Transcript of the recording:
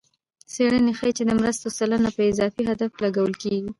څېړنې ښيي چې د مرستو سلنه په اصلي هدف لګول کېږي.